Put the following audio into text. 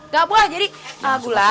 gak boleh jadi gula